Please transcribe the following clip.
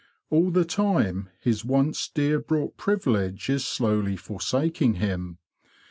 All the time his once dear bought privilege is slowly forsaking him.